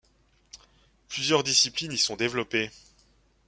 Plusieurs disciplines y sont développés.